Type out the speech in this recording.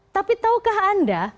tapi tahukah anda